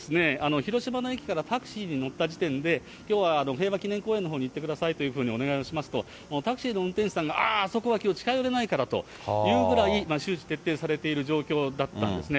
広島の駅からタクシーに乗った時点で、きょうは平和記念公園のほうに行ってくださいというふうにお願いをしますと、タクシーの運転手さんが、ああ、あそこはきょう、近寄れないからというふうに周知徹底されている状況だったんですね。